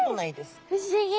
え不思議。